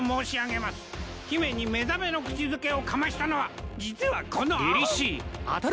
姫に目覚めの口づけをかましたのは実はこのアホ。